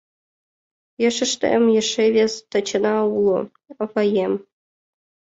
«Ешыштем эше вес Тачана уло: аваем.